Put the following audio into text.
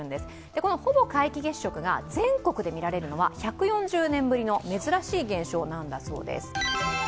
この、ほぼ皆既月食が全国で見られるのは１４０年ぶりの珍しい現象なんだそうです。